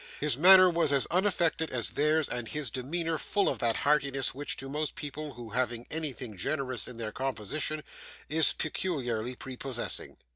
His manner was as unaffected as theirs, and his demeanour full of that heartiness which, to most people who have anything generous in their composition, is peculiarly prepossessing.